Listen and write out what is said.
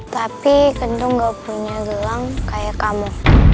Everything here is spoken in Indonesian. tapi kendung gak punya gelang kayak kamu